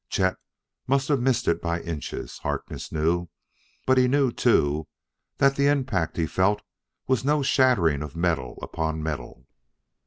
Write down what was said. Chet must have missed it by inches, Harkness knew; but he knew, too, that the impact he felt was no shattering of metal upon metal.